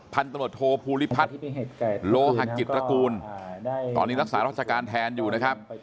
พันตรวจโทภูริพัฒน์โลหะกิจตระกูลตอนนี้รักษาราชการแทนอยู่นะครับ